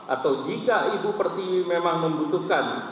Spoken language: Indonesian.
atau jika ibu pertiwi memang membutuhkan